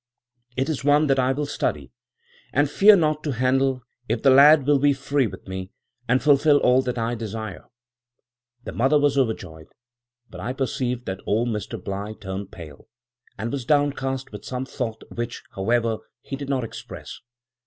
It is one that I will study, and fear not to handle, if the lad will be free with me, and fulfil all that I desire.' The mother was overjoyed, but I perceived that old Mr Bligh turned pale, and was downcast with some thought which, however, he did not express.